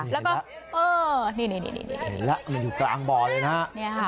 แล้วก็นี่มันอยู่กลางบ่อเลยค่ะ